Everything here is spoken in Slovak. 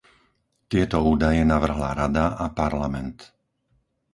Tieto údaje navrhla Rada a Parlament.